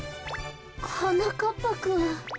はなかっぱくん。